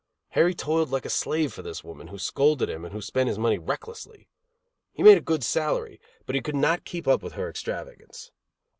Harry toiled like a slave for this woman who scolded him and who spent his money recklessly. He made a good salary, but he could not keep up with her extravagance.